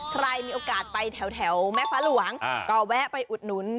ใครมีโอกาสไปแถวแม่ฟ้าหลวงก็แวะไปอุดหนุน